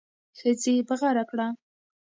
ښځې بغاره کړه.